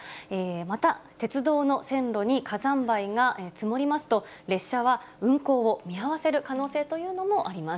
また、鉄道の線路に火山灰が積もりますと、列車は運行を見合わせる可能性というのもあります。